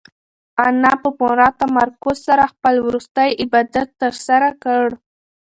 انا په پوره تمرکز سره خپل وروستی عبادت ترسره کړ.